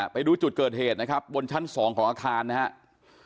ไปดูจุดเกิดเหตุนะครับบนชั้น๒ของอาคารนะครับ